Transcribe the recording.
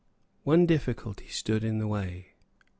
One difficulty stood in the way.